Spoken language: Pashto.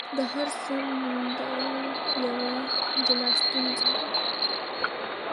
د هر سند موندل یوه جلا ستونزه وه.